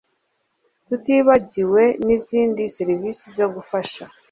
tutibagiwe n izindi serivisi zo gufasha